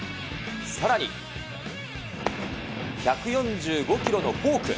さらに、１４５キロのフォーク。